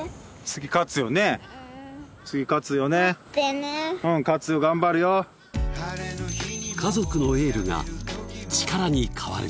次勝つよねうん勝つよ頑張るよ家族のエールが力に変わる